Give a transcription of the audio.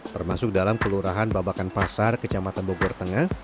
termasuk dalam kelurahan babakan pasar kecamatan bogor tengah